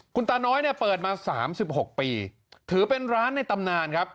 คุณตาน้อยเนี่ยเปิดมา๓๖ปีถือเป็นร้านในตำนานครับ